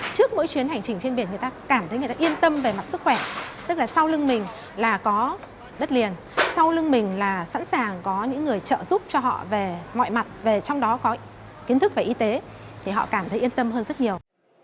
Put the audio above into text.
trước mỗi chuyến hành trình trên biển người ta cảm thấy người ta yên tâm về mặt sức khỏe tức là sau lưng mình là có đất liền sau lưng mình là sẵn sàng có những người trợ giúp cho họ về mọi mặt về trong đó có kiến thức về y tế thì họ cảm thấy yên tâm hơn rất nhiều